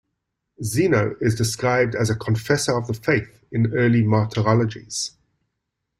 Zeno is described as a confessor of the faith in early martyrologies.